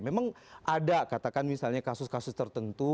memang ada katakan misalnya kasus kasus tertentu